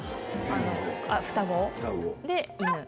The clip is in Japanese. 双子で犬。